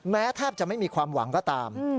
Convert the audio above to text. แทบจะไม่มีความหวังก็ตาม